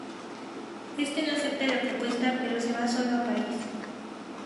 Éste no acepta la propuesta pero se va solo a París.